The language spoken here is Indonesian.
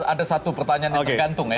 ada satu pertanyaan yang tergantung ya